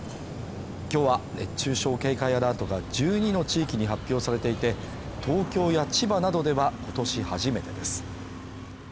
今日は熱中症警戒アラートが１２の地域に発表されていて、東京や千葉などでは今年初めてです。